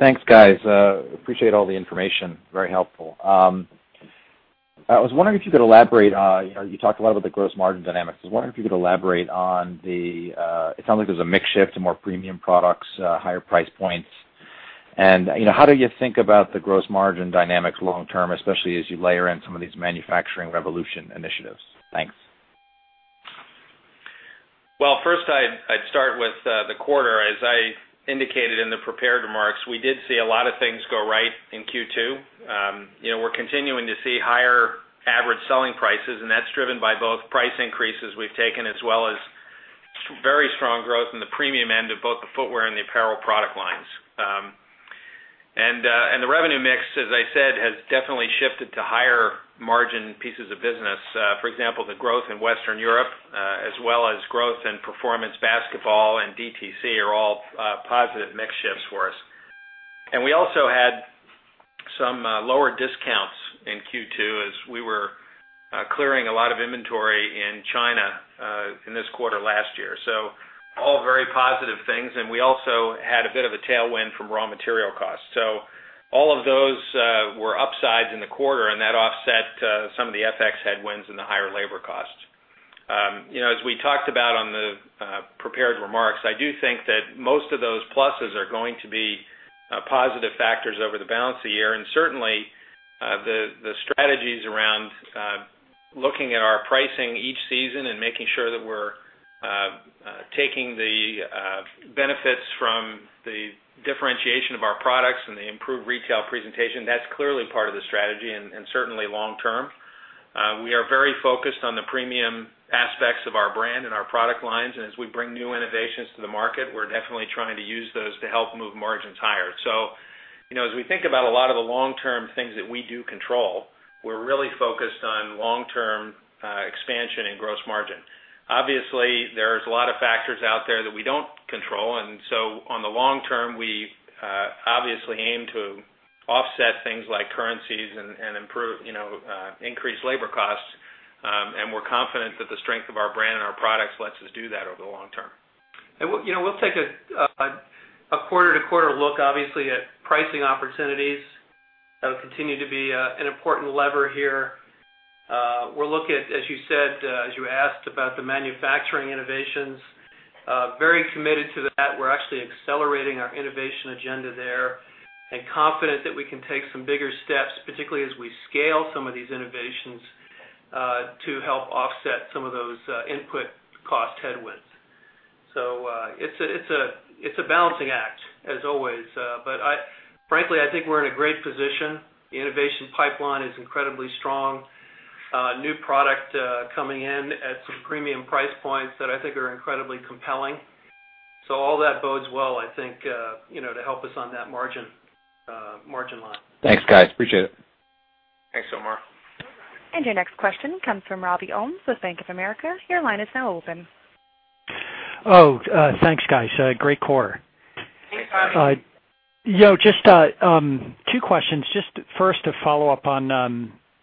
Thanks, guys. Appreciate all the information. Very helpful. I was wondering if you could elaborate. You talked a lot about the gross margin dynamics. I was wondering if you could elaborate on the, it sounds like there's a mix shift to more premium products, higher price points. How do you think about the gross margin dynamics long term, especially as you layer in some of these manufacturing revolution initiatives? Thanks. Well, first, I'd start with the quarter. As I indicated in the prepared remarks, we did see a lot of things go right in Q2. We're continuing to see higher average selling prices, that's driven by both price increases we've taken as well as very strong growth in the premium end of both the footwear and the apparel product lines. The revenue mix, as I said, has definitely shifted to higher margin pieces of business. For example, the growth in Western Europe as well as growth in performance basketball and DTC are all positive mix shifts for us. We also had some lower discounts in Q2 as we were clearing a lot of inventory in China in this quarter last year. All very positive things, and we also had a bit of a tailwind from raw material costs. All of those were upsides in the quarter, that offset some of the FX headwinds and the higher labor costs. As we talked about on the prepared remarks, I do think that most of those pluses are going to be positive factors over the balance of the year. Certainly, the strategies around looking at our pricing each season and making sure that we're taking the benefits from the differentiation of our products and the improved retail presentation, that's clearly part of the strategy and certainly long term. We are very focused on the premium aspects of our brand and our product lines. As we bring new innovations to the market, we're definitely trying to use those to help move margins higher. As we think about a lot of the long-term things that we do control, we're really focused on long-term expansion and gross margin. Obviously, there's a lot of factors out there that we don't control. On the long term, we obviously aim to offset things like currencies and increase labor costs. We're confident that the strength of our brand and our products lets us do that over the long term. We'll take a quarter-to-quarter look, obviously, at pricing opportunities. That will continue to be an important lever here. We're looking at, as you asked about the manufacturing innovations, very committed to that. We're actually accelerating our innovation agenda there and confident that we can take some bigger steps, particularly as we scale some of these innovations, to help offset some of those input cost headwinds. It's a balancing act as always. Frankly, I think we're in a great position. The innovation pipeline is incredibly strong. New product coming in at some premium price points that I think are incredibly compelling. All that bodes well, I think, to help us on that margin line. Thanks, guys. Appreciate it. Thanks, Omar. Your next question comes from Robert Ohmes with Bank of America. Your line is now open. Thanks, guys. Great quarter. Thanks, Robbie. Just two questions. Just first,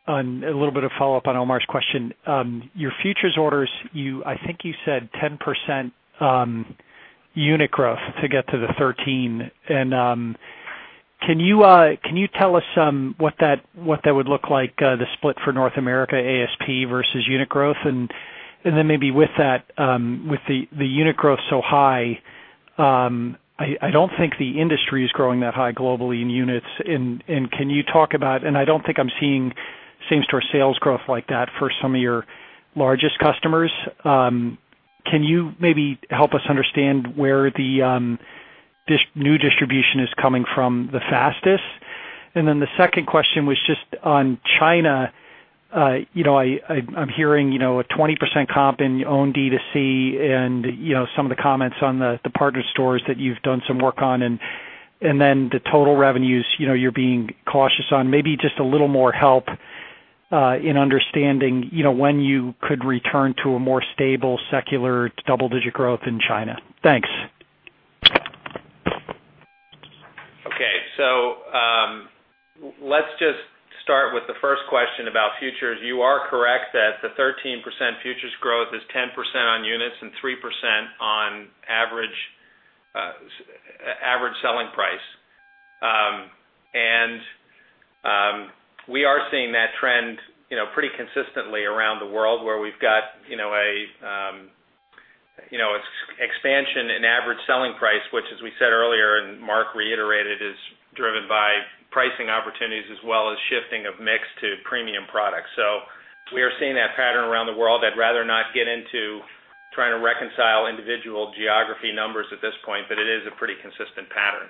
a little bit of follow-up on Omar's question. Your futures orders, I think you said 10% unit growth to get to the 13. Can you tell us what that would look like, the split for North America ASP versus unit growth? Maybe with the unit growth so high, I don't think the industry is growing that high globally in units. I don't think I'm seeing same-store sales growth like that for some of your largest customers. Can you maybe help us understand where the new distribution is coming from the fastest? The second question was just on China. I'm hearing a 20% comp in your own D2C and some of the comments on the partner stores that you've done some work on. The total revenues, you're being cautious on. Maybe just a little more help in understanding when you could return to a more stable, secular, double-digit growth in China. Thanks. Okay. Let's just start with the first question about futures. You are correct that the 13% futures growth is 10% on units and 3% on average selling price. We are seeing that trend pretty consistently around the world where we've got expansion in average selling price, which as we said earlier, and Mark reiterated, is driven by pricing opportunities as well as shifting of mix to premium products. We are seeing that pattern around the world. I'd rather not get into trying to reconcile individual geography numbers at this point, but it is a pretty consistent pattern.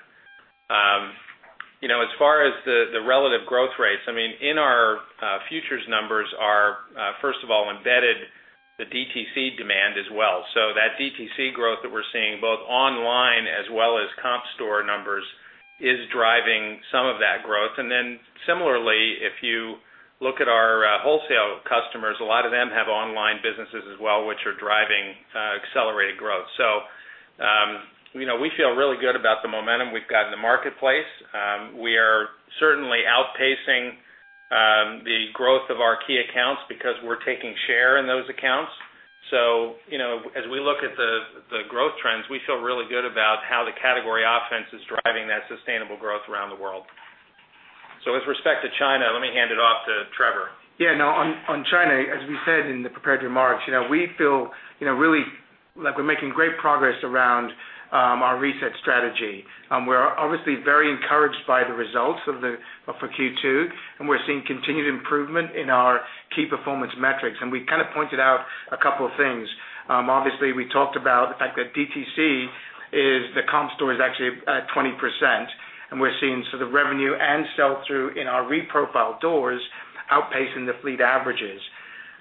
As far as the relative growth rates, in our futures numbers are, first of all, embedded the DTC demand as well. That DTC growth that we're seeing both online as well as comp store numbers is driving some of that growth. Similarly, if you look at our wholesale customers, a lot of them have online businesses as well, which are driving accelerated growth. We feel really good about the momentum we've got in the marketplace. We are certainly outpacing the growth of our key accounts because we're taking share in those accounts. As we look at the growth trends, we feel really good about how the category offense is driving that sustainable growth around the world. With respect to China, let me hand it off to Trevor. Yeah. On China, as we said in the prepared remarks, we feel really like we're making great progress around our reset strategy. We're obviously very encouraged by the results for Q2, we're seeing continued improvement in our key performance metrics. We kind of pointed out a couple of things. Obviously, we talked about the fact that DTC is the comp store is actually at 20%, we're seeing sort of revenue and sell-through in our reprofiled doors outpacing the fleet averages.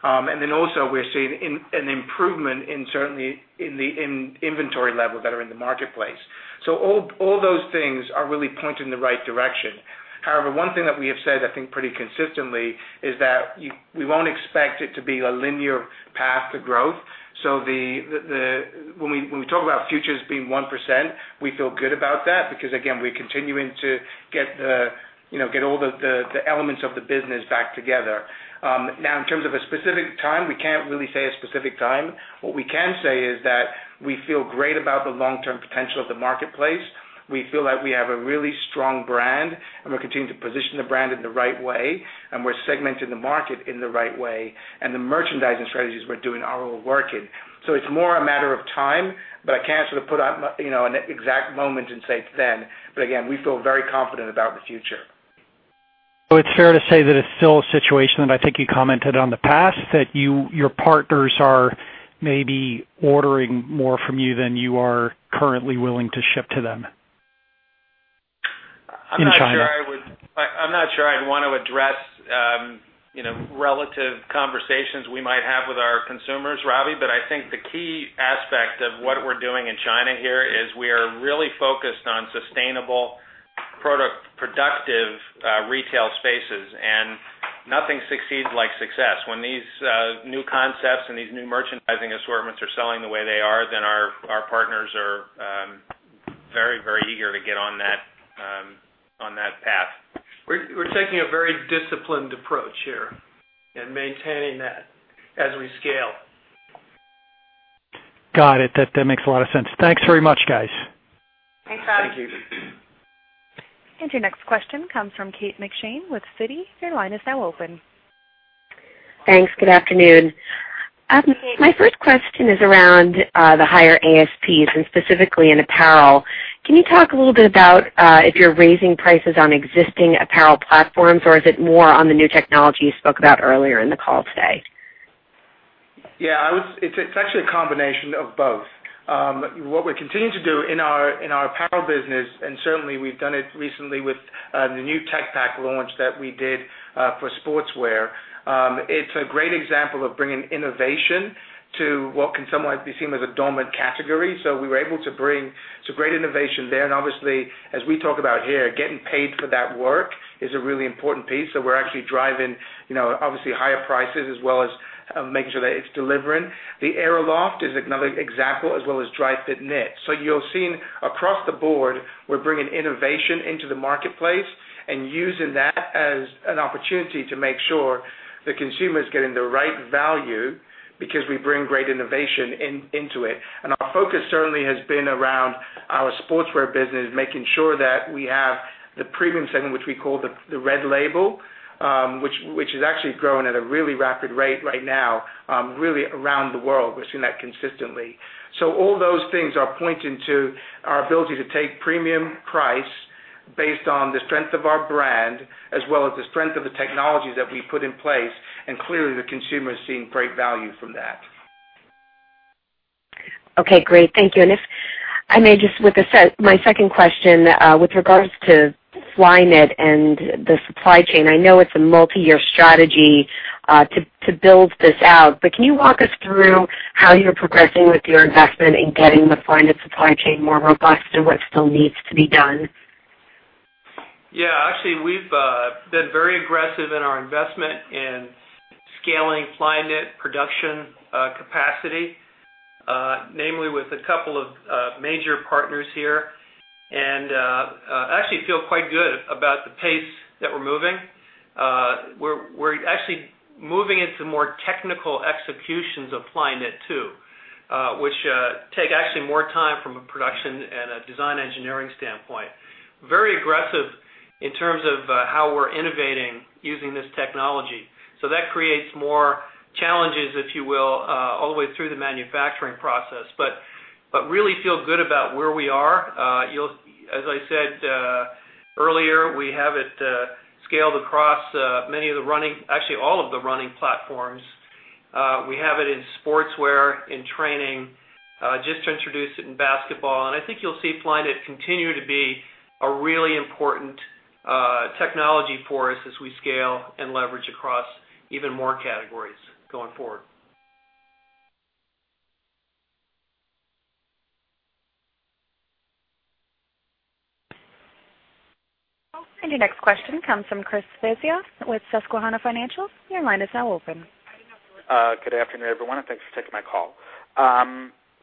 Also, we're seeing an improvement certainly in the inventory level that are in the marketplace. All those things are really pointing in the right direction. However, one thing that we have said, I think pretty consistently, is that we won't expect it to be a linear path to growth. When we talk about futures being 1%, we feel good about that because, again, we're continuing to get all the elements of the business back together. In terms of a specific time, we can't really say a specific time. What we can say is that we feel great about the long-term potential of the marketplace. We feel like we have a really strong brand, we're continuing to position the brand in the right way, we're segmenting the market in the right way. The merchandising strategies we're doing are all working. It's more a matter of time, I can't sort of put an exact moment and say it's then. Again, we feel very confident about the future. It's fair to say that it's still a situation that I think you commented on the past, that your partners are maybe ordering more from you than you are currently willing to ship to them in China. Relative conversations we might have with our consumers, Robbie, I think the key aspect of what we're doing in China here is we are really focused on sustainable, productive retail spaces, nothing succeeds like success. When these new concepts and these new merchandising assortments are selling the way they are, our partners are very eager to get on that path. We're taking a very disciplined approach here and maintaining that as we scale. Got it. That makes a lot of sense. Thanks very much, guys. Thank you. Thanks, Rob. And our next question comes from Kate McShane with Citi. Your line is now open. Thanks. Good afternoon. My first question is around the higher ASPs and specifically in apparel. Can you talk a little bit about if you're raising prices on existing apparel platforms, or is it more on the new technology you spoke about earlier in the call today? It's actually a combination of both. What we're continuing to do in our apparel business, certainly we've done it recently with the new Tech Pack launch that we did for sportswear. It's a great example of bringing innovation to what can somewhat be seen as a dormant category. We were able to bring some great innovation there. Obviously, as we talk about here, getting paid for that work is a really important piece. We're actually driving, obviously, higher prices as well as making sure that it's delivering. The AeroLoft is another example, as well as Dri-FIT Knit. You're seeing across the board, we're bringing innovation into the marketplace and using that as an opportunity to make sure the consumer is getting the right value because we bring great innovation into it. Our focus certainly has been around our sportswear business, making sure that we have the premium segment, which we call the red label, which is actually growing at a really rapid rate right now, really around the world. We're seeing that consistently. All those things are pointing to our ability to take premium price based on the strength of our brand, as well as the strength of the technologies that we put in place. Clearly, the consumer is seeing great value from that. Okay, great. Thank you. If I may, just with my second question, with regards to Flyknit and the supply chain, I know it's a multi-year strategy to build this out, but can you walk us through how you're progressing with your investment in getting the Flyknit supply chain more robust and what still needs to be done? Yeah, actually, we've been very aggressive in our investment in scaling Flyknit production capacity, namely with a couple of major partners here. Actually feel quite good about the pace that we're moving. We're actually moving into more technical executions of Flyknit, too, which take actually more time from a production and a design engineering standpoint. Very aggressive in terms of how we're innovating using this technology. That creates more challenges, if you will, all the way through the manufacturing process. Really feel good about where we are. As I said earlier, we have it scaled across actually all of the running platforms. We have it in sportswear, in training, just introduced it in basketball. I think you'll see Flyknit continue to be a really important technology for us as we scale and leverage across even more categories going forward. Your next question comes from Chris Svezia with Susquehanna Financial. Your line is now open. Good afternoon, everyone, and thanks for taking my call.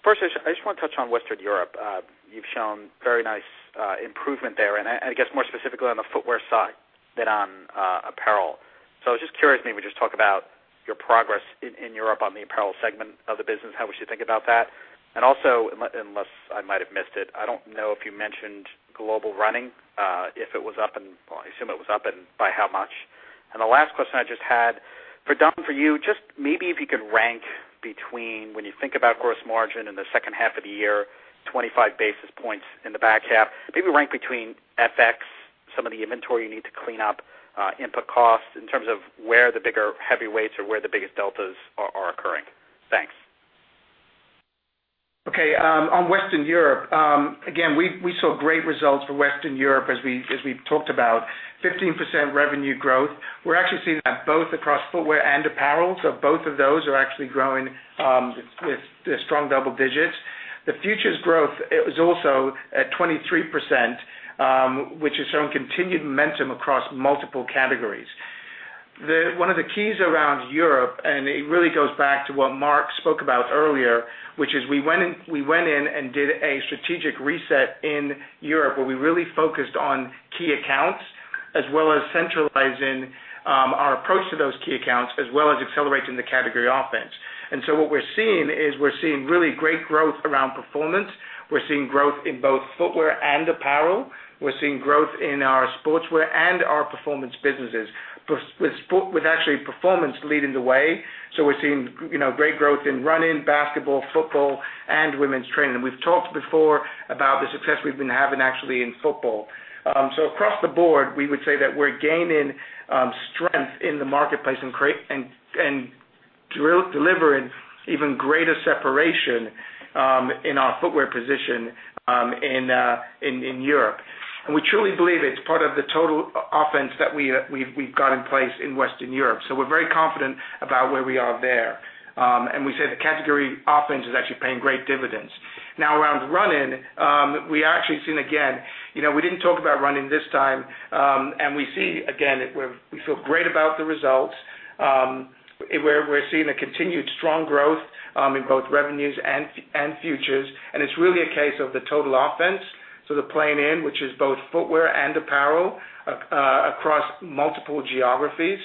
First, I just want to touch on Western Europe. You've shown very nice improvement there, and I guess more specifically on the footwear side than on apparel. It just occurs to me, we just talk about your progress in Europe on the apparel segment of the business, how we should think about that. Also, unless I might have missed it, I don't know if you mentioned global running, if it was up, well, I assume it was up and by how much. The last question I just had, for Don, for you, just maybe if you could rank between when you think about gross margin in the second half of the year, 25 basis points in the back half. Maybe rank between FX, some of the inventory you need to clean up, input costs in terms of where the bigger heavyweights or where the biggest deltas are occurring. Thanks. Okay. On Western Europe, again, we saw great results for Western Europe as we've talked about. 15% revenue growth. We're actually seeing that both across footwear and apparel. Both of those are actually growing with strong double digits. The futures growth is also at 23%, which is showing continued momentum across multiple categories. One of the keys around Europe, and it really goes back to what Mark spoke about earlier, which is we went in and did a strategic reset in Europe, where we really focused on key accounts, as well as centralizing our approach to those key accounts, as well as accelerating the category offense. What we're seeing is we're seeing really great growth around performance. We're seeing growth in both footwear and apparel. We're seeing growth in our sportswear and our performance businesses, with actually performance leading the way. We're seeing great growth in running, basketball, football, and women's training. We've talked before about the success we've been having actually in football. Across the board, we would say that we're gaining strength in the marketplace and delivering even greater separation in our footwear position in Europe. We truly believe it's part of the total offense that we've got in place in Western Europe. We're very confident about where we are there. We say the category offense is actually paying great dividends. Now, around running, we've actually seen again, we didn't talk about running this time. We see again, we feel great about the results. We're seeing a continued strong growth in both revenues and futures, and it's really a case of the total offense. The playing in, which is both footwear and apparel, across multiple geographies.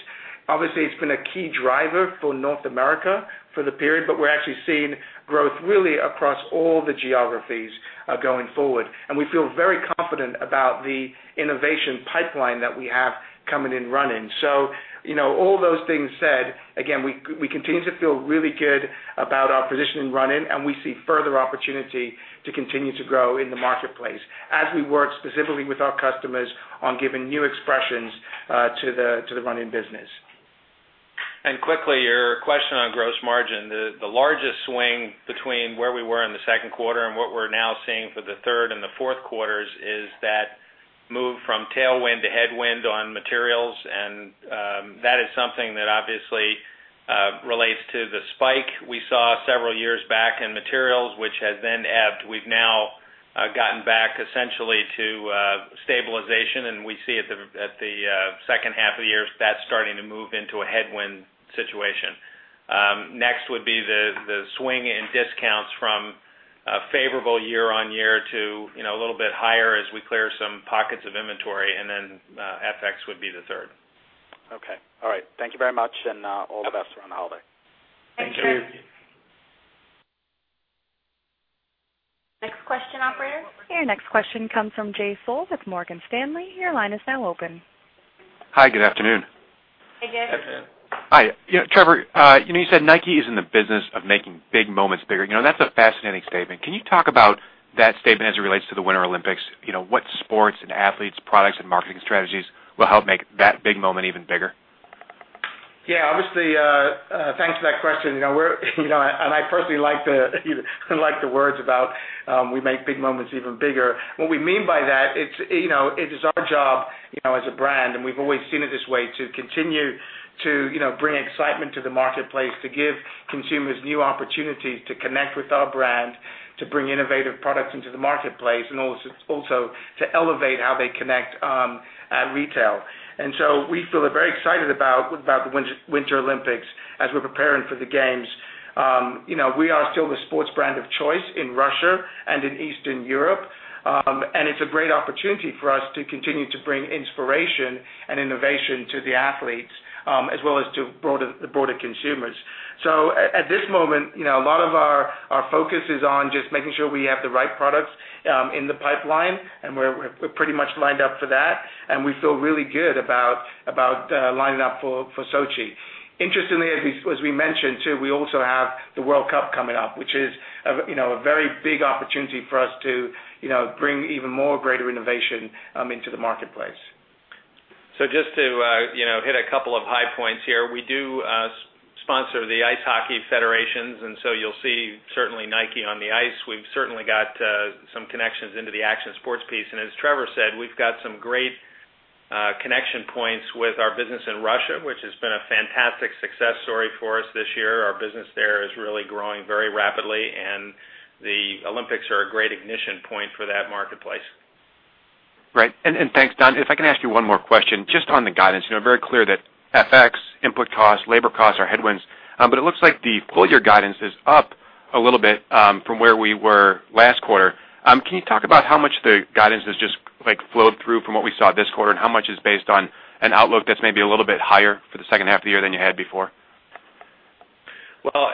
Obviously, it's been a key driver for North America for the period, but we're actually seeing growth really across all the geographies going forward. We feel very confident about the innovation pipeline that we have coming in running. All those things said, again, we continue to feel really good about our position in running, and we see further opportunity to continue to grow in the marketplace as we work specifically with our customers on giving new expressions to the running business. Quickly, your question on gross margin. The largest swing between where we were in the second quarter and what we are now seeing for the third and the fourth quarters is that move from tailwind to headwind on materials. That is something that obviously relates to the spike we saw several years back in materials, which has then ebbed. We have now gotten back essentially to stabilization, and we see at the second half of the year, that is starting to move into a headwind situation. Next would be the swing in discounts from favorable year-on-year to a little bit higher as we clear some pockets of inventory. Then FX would be the third. Okay. All right. Thank you very much, and all the best around the holiday. Thank you. Thank you. Next question, operator. Your next question comes from Jay Sole with Morgan Stanley. Your line is now open. Hi, good afternoon. Hey, Jay. Hey, Jay. Hi. Trevor, you said Nike is in the business of making big moments bigger. That's a fascinating statement. Can you talk about that statement as it relates to the Winter Olympics? What sports and athletes, products, and marketing strategies will help make that big moment even bigger? Yeah, obviously, thanks for that question. I personally like the words about, we make big moments even bigger. What we mean by that, it is our job, as a brand, and we've always seen it this way, to continue to bring excitement to the marketplace, to give consumers new opportunities to connect with our brand, to bring innovative products into the marketplace, and also to elevate how they connect at retail. We feel very excited about the Winter Olympics as we're preparing for the games. We are still the sports brand of choice in Russia and in Eastern Europe. It's a great opportunity for us to continue to bring inspiration and innovation to the athletes, as well as to broader consumers. At this moment, a lot of our focus is on just making sure we have the right products in the pipeline, and we're pretty much lined up for that, and we feel really good about lining up for Sochi. Interestingly, as we mentioned, too, we also have the World Cup coming up, which is a very big opportunity for us to bring even more greater innovation into the marketplace. Just to hit a couple of high points here. We do sponsor the Ice Hockey Federations, and you'll see certainly Nike on the ice. We've certainly got some connections into the action sports piece. As Trevor said, we've got some great connection points with our business in Russia, which has been a fantastic success story for us this year. Our business there is really growing very rapidly, and the Olympics are a great ignition point for that marketplace. Right. Thanks, Don. If I can ask you one more question, just on the guidance. Very clear that FX, input costs, labor costs are headwinds. It looks like the full-year guidance is up a little bit from where we were last quarter. Can you talk about how much the guidance has just flowed through from what we saw this quarter, and how much is based on an outlook that's maybe a little bit higher for the second half of the year than you had before? Well,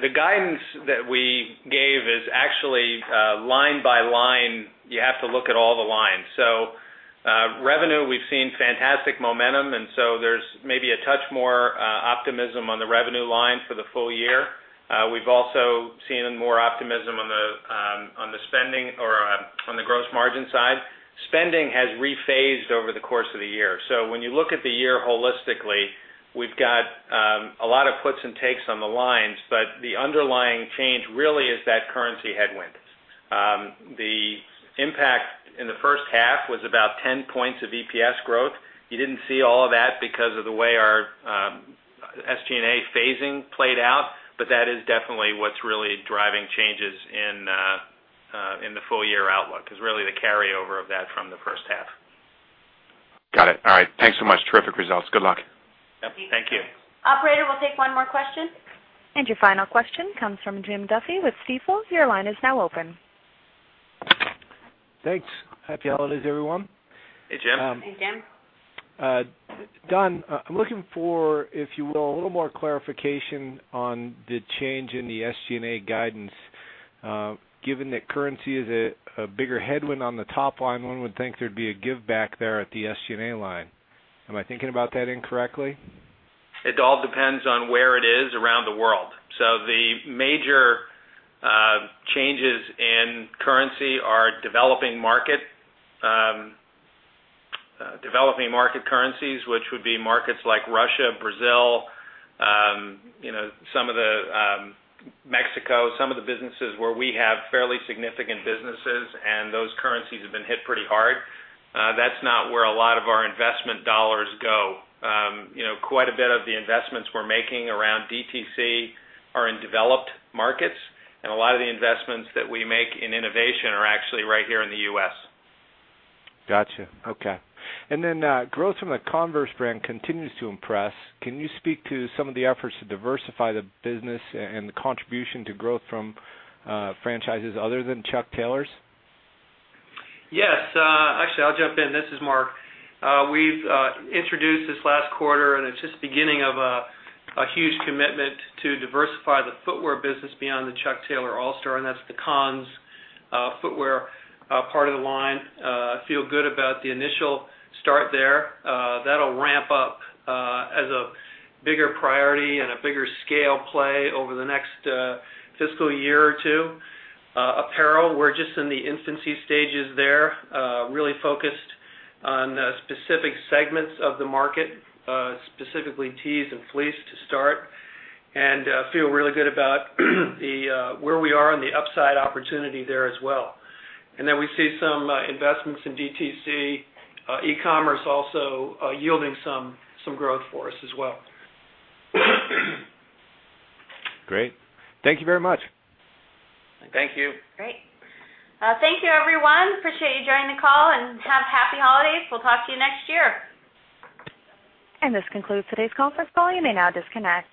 the guidance that we gave is actually line by line. You have to look at all the lines. Revenue, we've seen fantastic momentum, there's maybe a touch more optimism on the revenue line for the full year. We've also seen more optimism on the spending or on the gross margin side. Spending has rephased over the course of the year. When you look at the year holistically, we've got a lot of puts and takes on the lines, but the underlying change really is that currency headwind. The impact in the first half was about 10 points of EPS growth. You didn't see all of that because of the way our SG&A phasing played out, but that is definitely what's really driving changes in the full-year outlook, is really the carryover of that from the first half. Got it. All right. Thanks so much. Terrific results. Good luck. Thank you. Operator, we'll take one more question. Your final question comes from Jim Duffy with Stifel. Your line is now open. Thanks. Happy holidays, everyone. Hey, Jim. Hey, Jim. Don, I'm looking for, if you will, a little more clarification on the change in the SGA guidance. Given that currency is a bigger headwind on the top line, one would think there'd be a give back there at the SGA line. Am I thinking about that incorrectly? The major changes in currency are developing market currencies, which would be markets like Russia, Brazil, Mexico, some of the businesses where we have fairly significant businesses, and those currencies have been hit pretty hard. That's not where a lot of our investment dollars go. Quite a bit of the investments we're making around DTC are in developed markets, and a lot of the investments that we make in innovation are actually right here in the U.S. Got you. Okay. Then, growth from the Converse brand continues to impress. Can you speak to some of the efforts to diversify the business and the contribution to growth from franchises other than Chuck Taylors? Yes. Actually, I'll jump in. This is Mark. It's just the beginning of a huge commitment to diversify the footwear business beyond the Chuck Taylor All Star, and that's the Cons footwear part of the line. Feel good about the initial start there. That'll ramp up as a bigger priority and a bigger scale play over the next fiscal year or two. Apparel, we're just in the infancy stages there. Really focused on specific segments of the market, specifically tees and fleece to start, and feel really good about where we are on the upside opportunity there as well. Then we see some investments in DTC, e-commerce also yielding some growth for us as well. Great. Thank you very much. Thank you. Great. Thank you, everyone. Appreciate you joining the call. Have happy holidays. We'll talk to you next year. This concludes today's conference call. You may now disconnect.